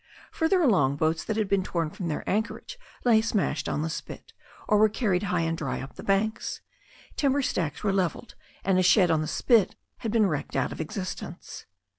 Further along, boats that had been torn from their anchorage lay smashed on the spit, or were carried high and dry up the banks. Timber stacks were levelled, and a shed on the spit had been wrecked out of existence.